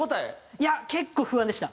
いや結構不安でした。